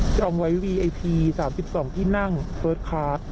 จาก๓๒